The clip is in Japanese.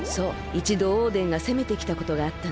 いちどオーデンがせめてきたことがあったんだ。